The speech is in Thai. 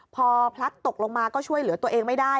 พอพลัดตกลงมาก็ช่วยเหลือตัวเองไม่ได้